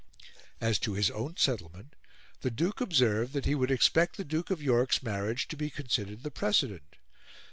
As to his own settlement, the Duke observed that he would expect the Duke of York's marriage to be considered the precedent.